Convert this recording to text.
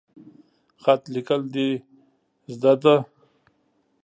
خط لیکل د زده ده؟